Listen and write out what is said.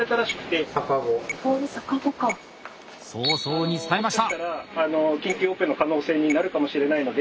早々に伝えました！